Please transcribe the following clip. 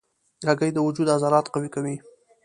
هګۍ د وجود عضلات قوي کوي.